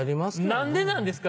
何でなんですか？